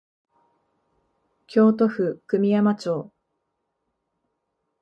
京都府久御山町